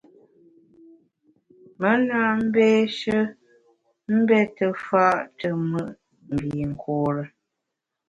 Me na mbéshe mbète fa’ te mùt mbinkure.